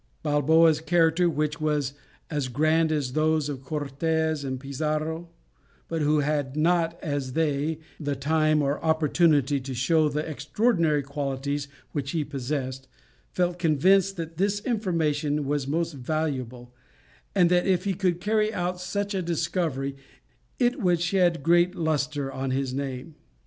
Balboa's character, which was as grand as those of Cortès and Pizarro, but who had not, as they, the time or opportunity to show the extraordinary qualities which he possessed, felt convinced that this information was most valuable, and that if he could carry out such a discovery, it would shed great lustre on his name.